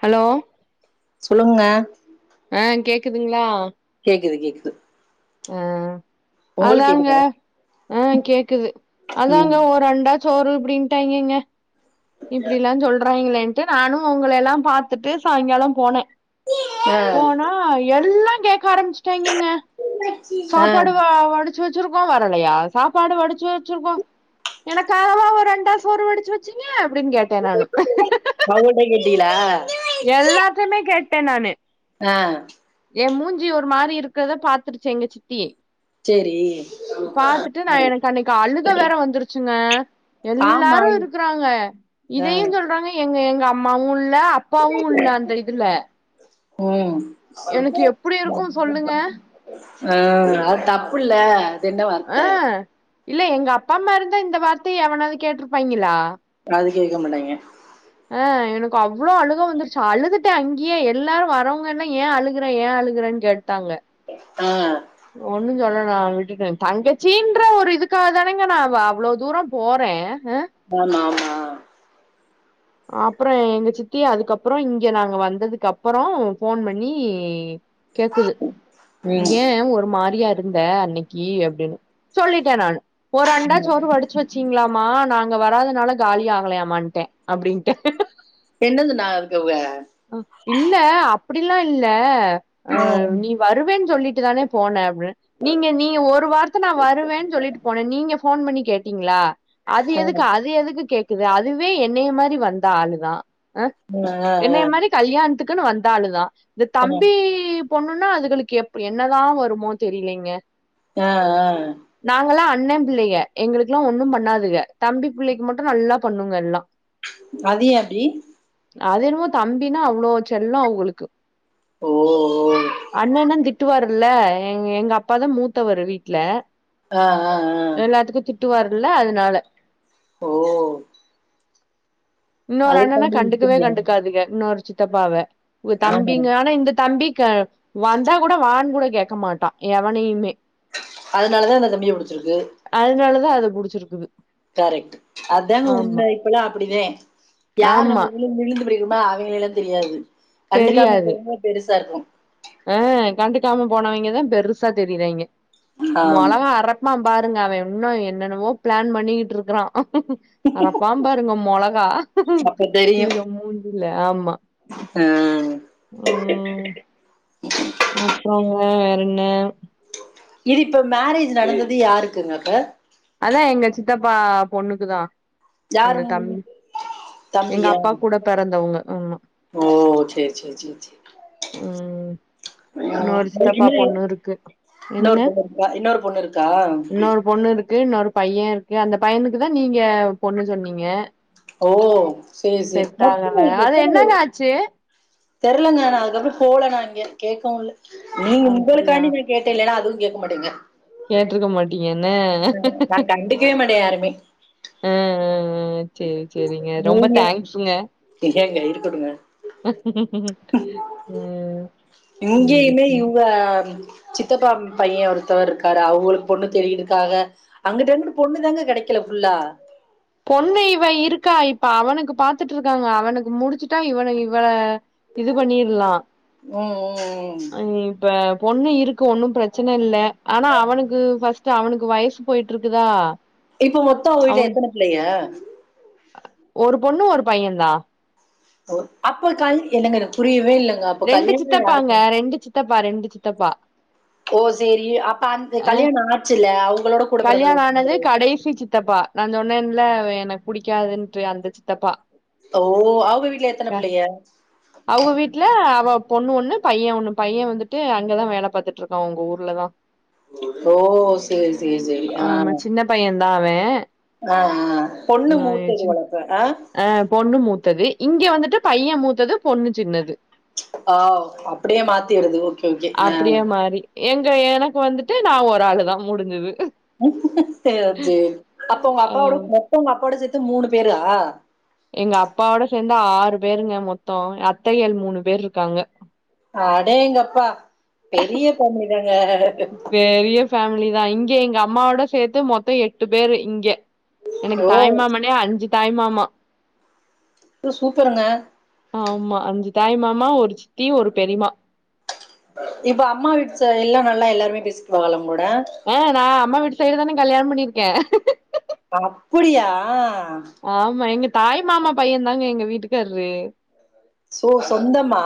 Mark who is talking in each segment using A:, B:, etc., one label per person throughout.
A: Hello
B: சொல்லுங்க
A: ஆ கேக் குதுங்ளா
B: கேக்குது கேக்குது
A: அ
B: உங்களுக்கு
A: அதாங்க
B: கேக்குதா
A: ஆ கேக்குது அதாங்க
B: ம்
A: ஒரு அண்டாஞ் சோறு இப்புடின்ட்டாய்ங்கங்க இப்பிடிலா சொல்றாய்ங்களே ட்டு நானு உங்லெல்லா பாத்துட்டு சாய்ங்காலோ போனே
B: ஆ
A: போனா எல்லா கே ஆரம்பிச்சட்டாய்ங்கெங்க
B: ஆ
A: சாப்பாடு வ வடி ச்சி வச்சிருக்கோ வரலையா சாப்பாடு வடிச்சி வச்சிருக்கோ எனக்காகவா ஒரு அண்டா சோறு வடிச்சி வச்சி அப்படின் கேட்டே நானு
B: ல
A: எல்லாத்தையுமே கேட்டே நானு
B: அ
A: ஏ மூஞ்சி ஒரு மாரி இருக்கிறத பாத்துருச்சி எங்க சித்தியே
B: சேரி
A: பாத்துட்டு நா எனக்கு அன்னிக்கு அழுக வேற வந்துருச்சு ங்க
B: ஆமா
A: எல்லாரு
B: இ-
A: இருக்கிறாங்க
B: ஆ
A: இதையு சொல்றாங்க எங்க எங்க எங்கம்மாவு இல் இல்ல அப்பாவு இல்ல அந்த இதுல
B: ம்
A: எனக்கு எப்டி இருக்கு சொல்லுங்க
B: அ அது தப்புல்ல இது என்ன வார்த்த
A: ஆ இல்ல எங்க அப்பா அம்மா இருந்தா இந்த வார்த்தைய எவனாவ்து கேட்டிருப்பாங்ளா
B: அத கேக்க மாட்டாங்க
A: அ எனக்கு அவ்ளோ அழுக வந்துருச்சு அழுதுட்டே அங்கேயே எல்லாரு வரவங்கன்னா ஏ அழுகுறே ஏ அழுகுறேன்னு கேட்டாங்க
B: ஆ
A: ஒன்னு சொல்ல நா விட்டுட்ட தங்கச்சின்ற ஒரு இதுக்காக தானேங்க நா வா அவ்ளோ தூரம் போற
B: ஆமா ஆமா
A: அப்பறோ எங்க சித்தி அதுக்கப்றோ இங்க நாங்க வந்ததுக்கு அப்பறோ ஃபோன் பண்ணி கேக்குது
B: ம்
A: ஏ ஒரு மாரியா இ ருந்த அன்னைக்கி அப்டினு சொல்லிட்ட நானு ஒரு அண்டா சோறு வடிச்சி வச் சிங்களாமா நாங்க வராதுனால காலியா ஆகலாயாமன்டே அப்டின்ட
B: என்னதுனா நா அதுக்கு வ
A: அ இல்ல அப்டில்லா இல்ல ஆ
B: ம்
A: நீ வருவேன் சொல்லி ட்டு தானே போனது அப்டின் நீங்க நீங்க ஒரு வார்த்த நா வருவே சொல்லிட்டு போனே நீங்க போன் பண்ணி கேட்டீங்ளா அது
B: ஆ ஆ
A: எதுக்கு அது எதுக்கு கேக் து அதுவே என்னைய மாறி வந்த ஆளு தா
B: மு அ
A: என்னைய மாறி கல்யாண்த்துக் க்கின்னு வந்தாளுதா இந்த தம்பீப் பொண்ணுன்னா அதுகளுக்கு எப் என்னதா வருமோ தெரியலீங்க
B: அ ஆ
A: அண்ணன் பிள்ளக எங்களுக்லா ஒன்னு பண்ணாதுக தம்பி பிள்ளைக்கு மட்டு நல்லா பண்ணுங்க எல்லா
B: அது எ அப்டி
A: அது என்னமோத் தம்பினா அவ்வளோ செல்லோ அவ்களுக்கு
B: ஓ ஓ
A: அண்ணேதா திட்டுவாரு இல்ல எங் எங்க அப்பாதா மூத்தவரு வீட்ல
B: ஆ ஆ அ
A: டு வரல அதனால
B: ஓ
A: இன்னொரு அண்ணன்னா
B: அதுக்காண்டி
A: கண்டுக்கவே
B: இப்டியா
A: கண்டுக்காதுக இன்னோரு சித்தப்பாவ உவ
B: ஆ
A: தம்பிங்க ஆனா இந்த தம்பி க வந்தா கூட வான் கூட கேட்க மாட்டா எவனையுமே
B: அதனாலதா இந்த தம்பிய புடிச்சிருக்கு
A: ந அத புடிச்சிருக்குது
B: கரெக்ட் டு அதாங்க
A: ஆமா.
B: உண்ம இப்பல்லா அப்படிதே யார்
A: ஆமா.
B: நம்ம விழுந்து விழுந்து படிக ஆ அவங்களலெல்லா தெரியாது கண்டுக்காம
A: தெரியாது
B: போங்க பெருசாருக்கு
A: ஆ கண்டுக்காம போனவய்ங்கதா பெருசா தெரிறாய்ங்க
B: ஆமா
A: மொளகா அறப்பாம் பாருங்க அவ உன்னு என்னென்னவோ பிளான் பண்ணிகிட்ருக்குறா அ அறப்பா பாருங்க மொளகா
B: அப்ப தெரியும்
A: இதுக மூஞ்சில ஆமா
B: ஆஹ்.
A: ம் அப்புறங்க வேறென்ன
B: இது இப்ப மேரேஜ் நடந்தது யாருக்குங்கப்ப
A: அதா எங்க சித்தப்பா பொண்ணுக்குதா அந்த தம்
B: யாரு
A: எங்க
B: தம்பியா
A: அப்பா கூட பெறந்தவுங்க ஆமா
B: ஓ சே சே சே சே [unintelligible]
A: ம் இன்னொரு சித்தப்பா பொண்ணு இருக்கு என்னங்க
B: இன்னொரு பொண்ணுருக்குறா இன்னொரு பொண்ணுருக்கா
A: க்கு இன்னொரு பையருக்கு அந்த பையனுக்கு தா நீங்க பொண்ணு சொன்னீங்க
B: ஓ சேரி சேரி
A: செட்
B: மொத்தமா
A: ஆகல
B: நீங்க
A: அது
B: எத்தன பேரு
A: என்னங்க ஆச்சு
B: தெர்லங்க நா அதுக்கப்பறோ போல நா இங்க கேக்கவுல்ல நீங்க
A: அப்டியா
B: உங்களுக்காண்டி போய் கேட்டே இல்லனா அதுவு கேக்க மாட்டீங்க
A: கேட்ருக்க மாட்
B: [unintelligible] கண்டுக்கவே மாட்டே யாருமே
A: அ அ அ சேரி சேரிங்க ரொம்ப
B: நீங்க
A: தேங்க்ஸ்ங்க
B: ஏங்க இருக்கட்டுங்க இங்கேயுமே
A: ம்
B: இவங்க ஒருத்தவருக்காரு அவுகுளுக் பொண்ணு தேடிகிட்ருக்காக அங்குட்டங்குட்டு பொண்ணு தாங்க கெடைக்கில ஃபுல்லா
A: பொண்ணு இவ இருக்கா இப்ப அவனுக்கு பாத்துட்ருக்காங்க அவனுக்கு முடிச்சுட்டா இவன இவள இது பண்ணிர்லா
B: ம் ம் ம்
A: இப்ப பொண்ணு இருக்கு ஒன்னும் பிரச்சன இல்ல ஆனா அவனுக்கு ஃபர்ஸ் டு அவனுக்கு வயசு போயிட்ருக்குதா
B: இப்ப மொத்தோ அவங்க வீட்ல
A: அவன்
B: எத்தன பிள்ளைக
A: ஒரு பொண்ணு ஒரு பையன்தா
B: ஓ அப்பக்கல் என்னங்க எனக் புரியவே இல்ல
A: ரெண்டு சித்தப்பாங்க ரெண்டு சித்தப் மா ரெண்டு சித்தப்பா
B: ஓ செரி அப்ப அந்த
A: அ
B: கல்யாணோ ஆச்சில்ல அவங்களோட கூட
A: கல்யாண
B: பொறந்தவங்க எத்தன பேரு
A: இல்ல எனக்கு புடிக்காதுன்டு அந்த சித்தப்பா
B: ஓ அவங்க வீட்ல எத்தன
A: அ
B: புள்ளைக
A: அவங்க வீட்ல அவ பொண்ணு ஒண்ணு பைய ஒண்ணு பைய வந்துட்டு அங்கதா வேல பாத்துட்டு இருக்கா உங்க ஊர்லதா
B: ஓ செரி செரி செரி அ
A: தாவே
B: அ அ பொண்ணு மூத்தது போல இருக்கு அ
A: த்தது இங்க வந்துட்டு பைய மூத்தது பொண்ணு சின்னது
B: ஆஹ் அப்படியே மாத்திடுது ஓகே ஓகே ஆஹ்
A: அப்படியே மாறி எங்க எனக்கு வந்துட்டு நா ஒரு ஆளு தா முடிஞ்சுது
B: சேர் சேரி அப்போ உங்க
A: ஆ
B: அப்பாவோட மொத்தோ அப்பாவோட மொத்தோ மூணு பேரா
A: எங்க அப்பாவோட சேர்ந் ஆறு பேருங்க மொத்தோ அத்தைகள் மூணு பேர் இர்க்காங்க
B: அடேங்கப்பா பெரிய ஃபேமிலி தான்
A: பெரிய
B: [unintelligible]
A: ஃபேமிலி தா இங்க எங்க அம்மாவோட சேத்து மொத்த எட்டு பேர் இங்க எனக்கு
B: ஓ!
A: தாய்மாமனோ அஞ்சு தாய் மாமா
B: ஒ சூப்பருங்க
A: ஆமா அஞ்சு தாய் மாமா ஒரு சித்தி ஒரு பெரிமா
B: இப்ப அம்மா வீட்டு [unintelligible] நல்லா எல்லார பேசிக்கி [unintelligible]
A: ஆ நா அம்மா விட்டு சைடு தானே கல்யாண பண்ணிருக்கே
B: அப்டியா
A: ஆமா எங்க தாய் மாமா பைய தாங்க எங்க வீட் [unintelligible]
B: சோ சொந்தமா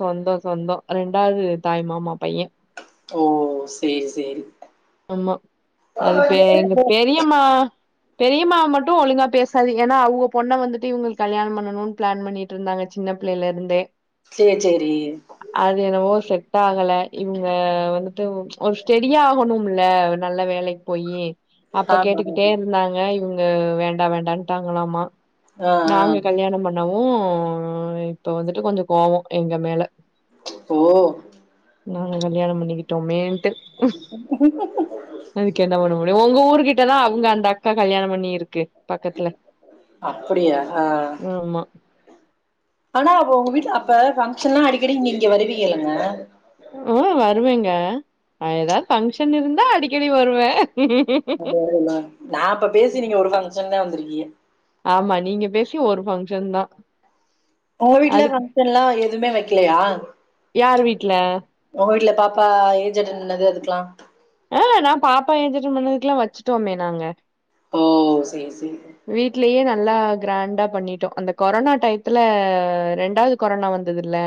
A: சொந்த சொந்த ரெண்டாவது தாய் மாமா பைய
B: ஓ சேரி சேரி
A: ஆமா அதுப் எங்க
B: ஓ!
A: பெரியம்மா பெரியம்மாவ மட்டும் ஒழுங்கா பேசாது ஏன்னா அவங்க பொண்ணை வந்துட்டு இவங்க கல்யாணம் பண்ணணும்னு பிளான் பண்ணிட்டு இருந்தாங்க சின்ன பிள்ளைல இருந்தே
B: சேரி சேரி
A: டாகல இவங்க வந்துட்டு ஓ ஒரு ஸ்டெடியா ஆகணும் பிள்ள நல்ல வேலைக்கு போயி அப்ப
B: ஆமா,
A: கேட்டுக்கிட்டே
B: ஆமா.
A: இருந்தாங்க இவங்க வேண்டா வேண்டாட்டாங்களாமா
B: ஆ ஆ
A: நாங்க கல்யாணம் பண்ணோம் ம் இப்ப வந்துட்டு கொஞ்சம் கோவம் எங்க மேல
B: ஓ
A: நாங்க கல்யாணம் பண்ணிக்கிட்டோமேன்ட்டு அதுக்கு என்ன பண்ண முடியும் உங்க ஊருக் கிட்டதான் அவங்க அந்த அக்கா கல்யாணம் பண்ணிருக்கு
B: அப்படியா
A: ஆமா.
B: ஆனா அவ அப்ப உங்க வீட்டு அப்ப பங்க்ஷன் எல்லாம் அடிக்கடி இங்க இங்க வருவீங்கல்லங்க
A: ம் வருவேங்க ஏதாவது பங்க்ஷன் இருந்தா அடிக்கடி வருவே
B: அல்லாம் நான் இப்ப பேசி நீங்க ஒரு பங்க்ஷன் தான் வந்திருக்கிக
A: ஃபங்க்ஷன் தான்
B: உங்க வீட்ல
A: அதுக்கு
B: பங்க்ஷன்லாம் எதுவுமே வச்ச வைக்கலையா
A: யார் வீட்ல
B: ப்பா ஏஜ் அட்டென்ட் பண்ணது அதுக்கெலாம்
A: ஆ நான் பாப்பா ஏஜ் அட்டேன் பன்னதுக்கெல்லா வச்சுட்டோமே நாங்க
B: ஓ சரி சரி
A: வீட்லயே நல்லா கிராண்டா பண்ணிட்டோம் அந்த கொரோனா டையத்துல ரெண்டாவது கொரோனா வந்ததுல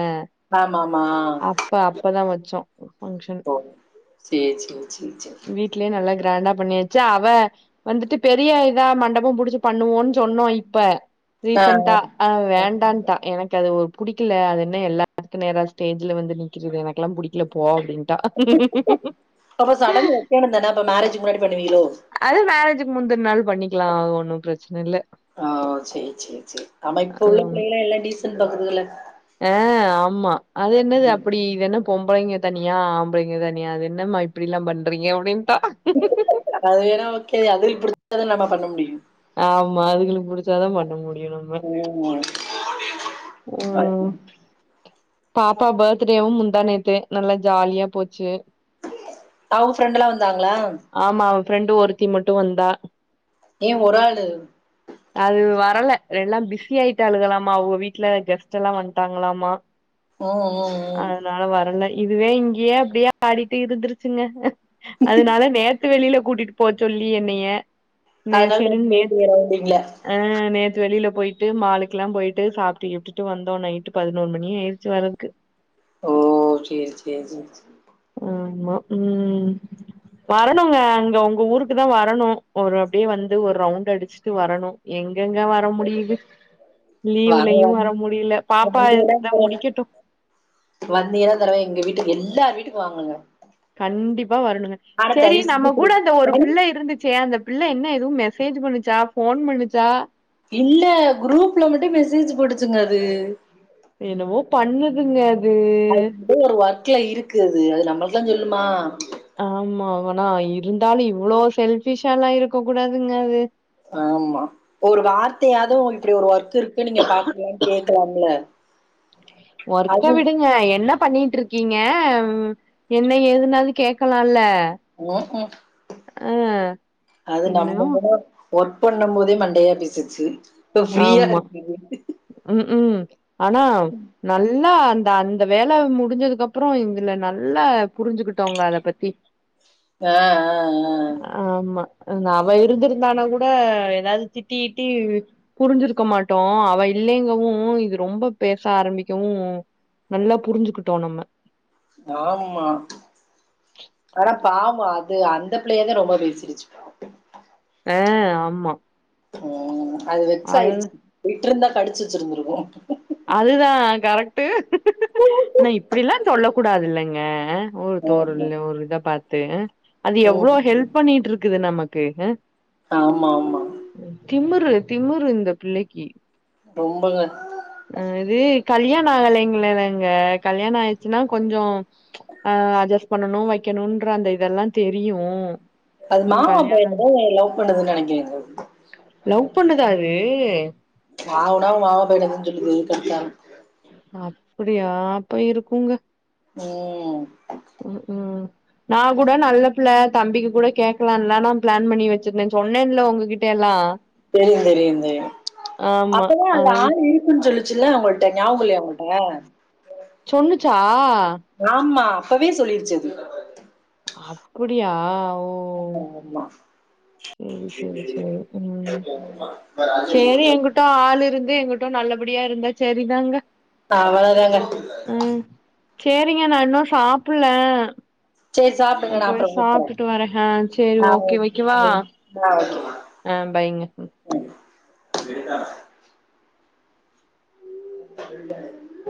B: ஆமா ஆமா
A: அப்ப அப்பதான் வச்சோம் பங்க்ஷன்
B: ஓ சேரி சேரி சேரி
A: நா என்ன பண்ணிவச்ச அவ வந்துட்டு பெரிய இதா மண்டபம் புடிச்சு பண்ணுவோன்னு சொன்னோம் இப்ப
B: ஆ ஆ
A: ரீசன்டாஹ் வேண்டான்ட்டான் எனக்கு அது ஒரு புடிக்கல அது என்ன எல்லாத்துக்கும் நேரா ஸ்டேஜ்ல வந்து நிக்குது எனக்கெல்லாம் புடிக்கல போ அப்படின்
B: அப்ப சடன்னு வைக்கேணும் தானா இப்ப மேரேஜ் முன்னாடி பண்ணுவீங்களோ
A: அது மேரேஜுக்கு முந்தின பண்ணிக்கலாம் ஒண்ணு பிரச்சன இல்ல
B: ஆ சரி சரி சரி ஆமா இப்ப உள்ள
A: ஆமா.
B: பிள்ளைகளாம் எல்லாம் டீசன்ட் பாக்குதுல
A: ஆ பொம்பளைைங்க தனியா ஆம்பளைங்க தனியா அது என்ன இப்படிலாம் பண்றீங்க அப்படின்னு
B: அது வேணா ஓகே அது புடிச்சாதானோ நம்ம பண்ண முடியு
A: ஆமா அதுக்குளுக்கு புடிச்சாதா பன்ன முடியு
B: [unintelligible]
A: ம் ம் பாப்பா பர்த்டேவு மு்ந்தானேத்து நல்லா ஜாலியா போச்சு
B: அவுங்க ஃப்ரெண்ட்டுலா வந்தாங்
A: ஆமா ஃப்ரெண்டு ஒருத்தி மட்டு வந்தா
B: ஏன் ஒரு ஆளு
A: அது வரல எல்லா பிஸி ஆயிட்டாலுங்கலாமா அவுங்க வீட்டுல கெஸ்ட் லா வந்துட்டாங்களாமா
B: ம் ம் ம்
A: இதுவே இங்கயே அப்டியே ஆடிட்டு இருந்துருச்சுங்க அதனால நேத்து வெளியில கூட்டிட்டு போக சொல்லி என்னைய நே
B: அதனால
A: செரின்னு நேத்
B: [inaudible]
A: ஆ நேத்து வெளில போய்ட்டு மாலுக்கு லா போய்ட்டு சாப்ட்டு இப்ட்டுகிட்டு வந்தோ நைட்டு பதினோரு மணி ஆயிடுச்சி வர்றதுக்கு
B: ஓ செரி செரி செரி செ
A: ஆமா ம் வரணும்ங்க அங்க உங்க ஊருக்கு தா வரணோ ஒரு அப்டியே வந்து ஒரு ரவுண்ட் அடிச் சுட்டு வரணு எங்கெங்க வர முடியுது
B: வாங்க
A: லீவ்லயு
B: வாங்க
A: வர முடியல
B: [inaudible]
A: பாப்பா இத முடிக்கட்டு
B: வந்தினா இந்த தடவ எங்க வீட்டுக்கு எல்லா வீட் டுக்கு வாங்கங்க
A: கண்டிப்பா வரணுங்க செரி
B: செஞ்சு
A: நம்ம கூட அந்த ஒரு
B: வரு-
A: பிள்ள இருந்துச்சே அந்த பிள்ள என்ன எதுவு மெசேஜ் பண்ணிச்சா போன் பண்ணிச்சா
B: இல்ல குரூப்ல மட்டு மெசேஜ் போடுச்சிங்க அது
A: என்னவோ பண்ணுதுங்க அ
B: அது வந்து ஒரு வார் [unintelligible] இருக்கு அது அது நம்பளுக்குல்லா சொல்லுமா
A: ஆமா ஆனா இருந்தாலு இவ்ளோ செல்பிஷாலா இருக்க கூடாதுங்க அது
B: ஆமா ஒரு வார்த்தையாது ஒ இப்டி ஒரு வொர்க் வொர்க் இருக்கு நீங்க பாக்கலனு கேக்கலாம்ல
A: ஒர்க்க
B: அது
A: விடுங்க என்ன பண்ணிட்டு இருக்கீங்க என்ன எதுனாது கேக்கலாம்ல
B: ம்ஹும் அது
A: இன்னு
B: நம்பகூட ஒர்க் பண்ணு போதே மண்டையா பேசிச்சி இப்ப ஃப்ரீயா
A: ஆமா
B: இருக்குது
A: ம் ம் ஆனா நல்லா அந்த அந்த வேல முடிஞ்சதுக்கு அப்றோ இதுல நல்ல புரிஞ்சுகிட்டோங்க அத பத்தி
B: ஆ ஆ
A: ஆமா அவ இருந்திருந்தானா கூட ஏதாவுது திட்டிகிட்டி புரிஞ்சிருக்க மாட்டோ அவ இல்லேங்க இது ரொம்ப பேச ஆரம்பிக்கவு நல்லா புரிஞ்சுக்கிட்டோ நம்ம
B: ஆமா ஆனா ஆமா அது அந்த பிள்ளையதா ரொம்ப பேசிடுச்சு
A: அ ஆமா
B: ம் அது வெக்சாயிடுச்சு விட்டுருந்த கடிச்சு வச்சிருந்தருக்கு
A: அதுதா கரெக்ட்டு ஆனா இப்டிலா சொல்ல கூடாதுல்லைங்க ஊர்
B: ஆமா
A: தோர்ல ஓரு இத பாத் த்தே அது எவ்ளோ
B: ம்
A: ஹெல்ப் பண்ணிட்ருக்குது நமக் க்கு
B: ஆமா ஆமா
A: திமுரு திமுறு இந்த பிள்ளைக்கு
B: ரொம்பங்க
A: ஆ இது கல்யாண ஆகலைங்களங்க கல்யாண ஆயிடுச்சுன்னா கொஞ்ச அ அட்ஜஸ்ட் பண்ணணு வைக்கணும்ன்ற அந்த இதெல்லா தெரியு
B: அது மாமா பையனுதா லவ் பண்ணுது நெனைக்கிற
A: லவ் பண்ணுதா அது
B: ஆ உனா அவ மாமா பையனதா சொல்லுது எதுக்கெத்தாலு
A: அப்டியா அப்ப இருக்குங்க
B: ம்
A: ம் ம் நா கூட நல்ல பிள்ள தம்பிக்கு கூட கேக்கலால்லா நா பிளான் பண்ணி வச்சிருந்தே சொன்னேல உங்ககிட்டல்லா
B: தெரியு தெரியு தெரியு
A: ஆமா.
B: அப்பதா அந்த
A: அது
B: ஆள் இருக்குன் சொல் ச்சுல உங்கள்ட்ட ஞாபக இல்லையா உங்கள்ட்ட
A: சொன்னுச்சா
B: ஆமா அப்பவே சொல்லிருச்சது
A: அப்படியா ஓ! சரி, சரி, சரி. ம்.
B: [unintelligible]
A: து எங்கிட்டு நல்லபடியா இருந்தா செரிதாங்க
B: இப்ப அவ்ளதாங்க
A: செரிங்க நா இன்னு சாப்புல
B: சேரி
A: நா
B: சாப்டுங்க
A: போய்
B: அப்றோ கூப்பறே
A: சாப்டுட்டு வர ஆ சேரி
B: ஆ
A: ஓகே வைக்கவா
B: பாய். ஆ ஓகே
A: அ பாய்ங்க
B: ம் [unintelligible] [unintelligible]